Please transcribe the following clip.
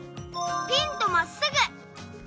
ピンとまっすぐ。